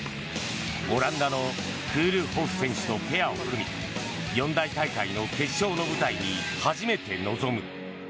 オランダのクールホフ選手とペアを組み四大大会の決勝の舞台に初めて臨む。